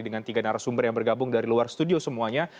dengan tiga narasumber yang bergabung dari luar studio semuanya